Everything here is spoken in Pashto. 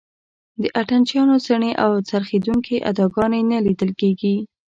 د اتڼ چیانو څڼې او څرخېدونکې اداګانې نه لیدل کېږي.